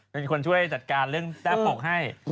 เป็นคนช่วยจัดการเรื่องพี่แป๊บบกให้